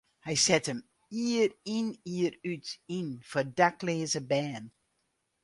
Hy set him jier yn jier út yn foar dakleaze bern.